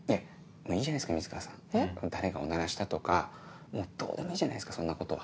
もういいじゃないですか水川さん誰がおならしたとかもうどうでもいいじゃないですかそんなことは。